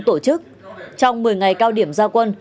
tổ chức trong một mươi ngày cao điểm giao quân